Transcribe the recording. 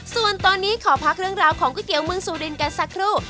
ส่วนตอนนี้ขอพักเรื่องราวของก๋วยเตี๋ยวเมืองสุรินกันสักครู่